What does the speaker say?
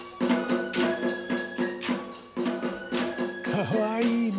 かわいいね。